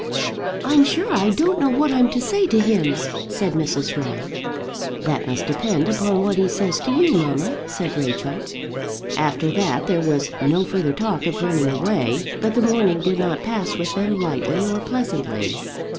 "I'm sure I don't know what I'm to say to him," said Mrs. Ray. "That must depend upon what he says to you, mamma," said Rachel. After that there was no further talk of running away; but the morning did not pass with them lightly or pleasantly.